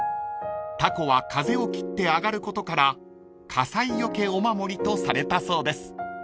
［たこは風を切って揚がることから火災よけお守りとされたそうです］